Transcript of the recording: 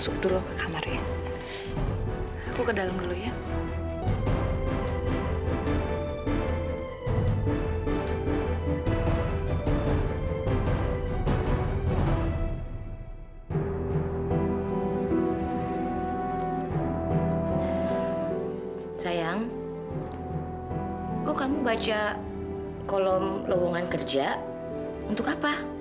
kok kamu baca kolom lowongan kerja untuk apa